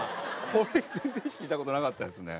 これ全然意識した事なかったですね。